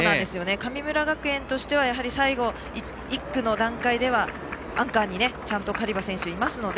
神村学園としてはやはり最後、１区の段階ではアンカーにちゃんとカリバ選手がいますので。